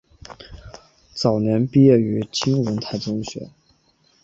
早年毕业于金文泰中学。